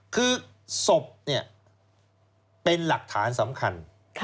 คือศพเป็นหลักฐานสำคัญ